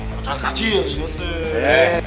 macam kacir sih t